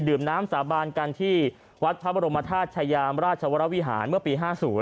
น้ำสาบานกันที่วัดพระบรมธาตุชายามราชวรวิหารเมื่อปี๕๐